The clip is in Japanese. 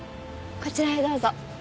こちらへどうぞ。